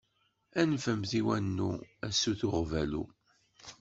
Anfemt i wannu, a sut uɣbalu!